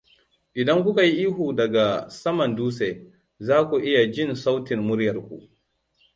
Idan kuka yi ihu daga saman dutse, zaku iya jin sautin muryarku.